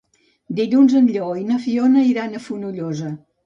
Dilluns en Lleó i na Fiona iran a Fonollosa.